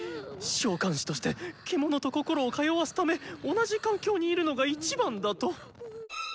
召喚士として獣と心を通わすため同じ環境にいるのが一番だと。